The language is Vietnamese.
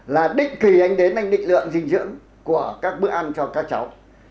là đích kỳ anh đến anh định lượng dinh dưỡng của các bữa ăn cho các cháu